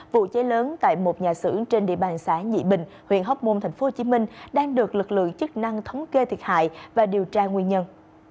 vụ cháy lớn tại một nhà xưởng trên địa bàn xã nhị bình huyện hóc môn tp hcm đang được lực lượng chức năng thống kê thiệt hại và điều tra nguyên nhân